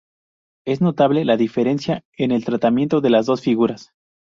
Es notable la diferencia en el tratamiento de las dos figuras.